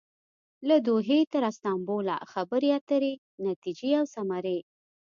له دوحې تر استانبوله خبرې اترې ،نتیجې او ثمرې